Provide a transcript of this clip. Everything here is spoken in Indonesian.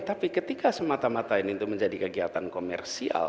tapi ketika semata mata ini itu menjadi kegiatan komersial